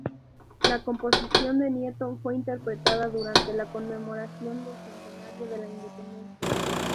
La composición de Nieto fue interpretada durante la conmemoración del centenario de la Independencia.